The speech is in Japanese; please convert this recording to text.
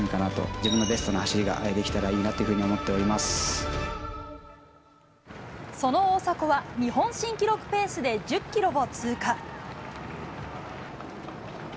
自分のベストな走りができたらいいなっていうふうに思っておその大迫は、日本新記録ペースで１０キロを通過。